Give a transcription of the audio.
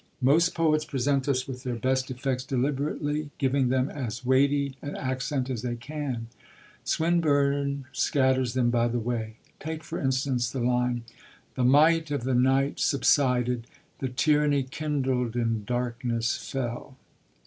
Most poets present us with their best effects deliberately, giving them as weighty an accent as they can; Swinburne scatters them by the way. Take, for instance, the line: The might of the night subsided: the tyranny kindled in darkness fell.